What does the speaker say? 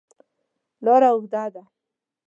لاره اوږده ده.